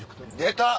出た！